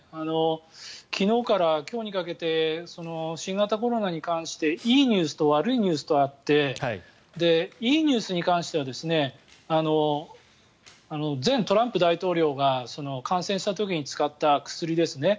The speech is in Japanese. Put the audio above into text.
昨日から今日にかけて新型コロナに関していいニュースと悪いニュースとあっていいニュースに関しては前トランプ大統領が感染した時に使った薬ですね。